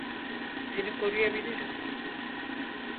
Seni koruyabiliriz.